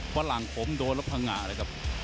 ฝรั่งผมโดนแล้วพังงะเลยครับ